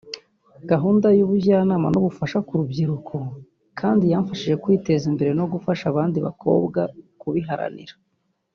Gahunda y’ubujyanama n’ubufasha ku rubyiruko kandi yamfashije kwiteza imbere no gufasha abandi bakobwa kubiharanira